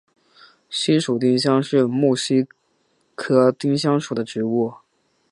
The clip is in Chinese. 西蜀丁香是木犀科丁香属的植物。